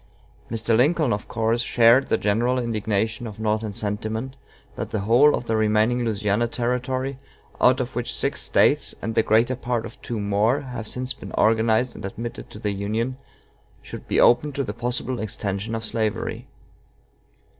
Mr. Lincoln, of course, shared the general indignation of Northern sentiment that the whole of the remaining Louisiana Territory, out of which six States, and the greater part of two more, have since been organized and admitted to the Union, should be opened to the possible extension of slavery.